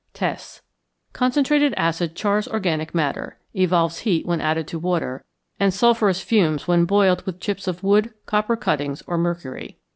Tests. Concentrated acid chars organic matter; evolves heat when added to water, and sulphurous fumes when boiled with chips of wood, copper cuttings, or mercury.